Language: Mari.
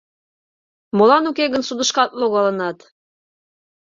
Молан уке гын судышкат логалынат?